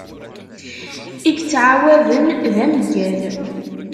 I yettɛawaden d ameyyal.